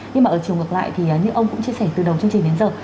nhưng mà ở chiều ngược lại thì như ông cũng chia sẻ từ đầu chương trình đến giờ